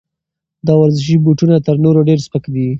دا ورزشي بوټونه تر نورو ډېر سپک دي.